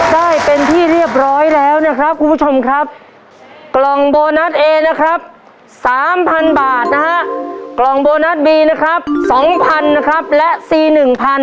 ได้เป็นที่เรียบร้อยแล้วนะครับคุณผู้ชมครับกล่องโบนัสเอนะครับสามพันบาทนะฮะกล่องโบนัสบีนะครับสองพันนะครับและสี่หนึ่งพัน